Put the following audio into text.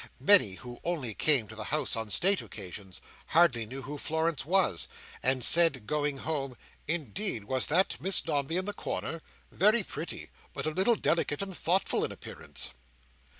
Many, who only came to the house on state occasions, hardly knew who Florence was, and said, going home, "Indeed, was that Miss Dombey, in the corner? Very pretty, but a little delicate and thoughtful in appearance!"